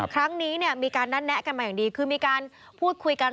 ครั้งนี้เนี่ยมีการนัดแนะกันมาอย่างดีคือมีการพูดคุยกัน